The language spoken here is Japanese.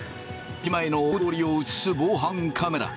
駅前の大通りを映す防犯カメラ。